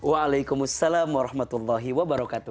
waalaikumsalam warahmatullahi wabarakatuh